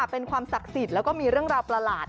เป็นความศักดิ์สิทธิ์แล้วก็มีเรื่องราวประหลาด